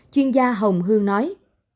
chuyên gia hồng hương nói